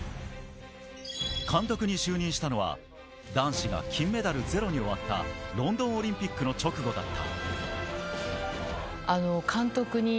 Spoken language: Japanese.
監督に就任したのは、男子が金メダルゼロに終わったロンドンオリンピックの直後だった。